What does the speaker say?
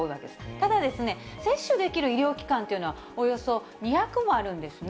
ただ、接種できる医療機関というのは、およそ２００もあるんですね。